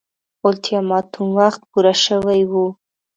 اولتیماتوم وخت پوره شوی وو.